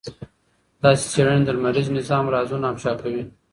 داسې څېړنې د لمریز نظام رازونه افشا کوي.